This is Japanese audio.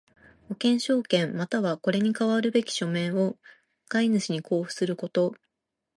保険証券又はこれに代わるべき書面を買主に交付すること。